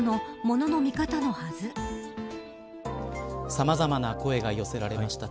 さまざまな声が寄せられました。